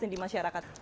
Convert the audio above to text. panas di masyarakat